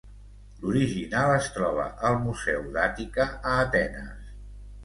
L'original es troba al Museu d'Àtica, a Atenes.